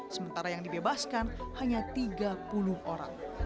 sementara yang dibebaskan hanya tiga puluh orang